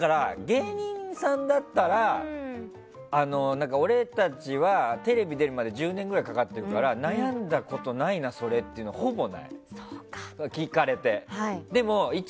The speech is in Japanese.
芸人さんだったら俺たちはテレビ出るまで１０年ぐらいかかってるから悩んだことないなそれっていうの聞かれても、ほぼない。